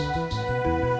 aku mau ke rumah